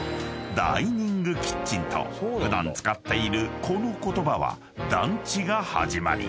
ダイニングキッチンと普段使っているこの言葉は団地が始まり］